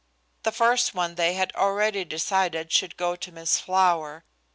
The first one they had already decided should go to Miss Flower.